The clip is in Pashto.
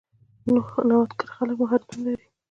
نوښتګر خلک مهارتونه لري.